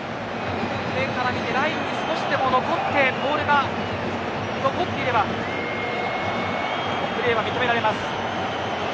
上から見てラインに少しでもボールが残っていればプレーは認められます。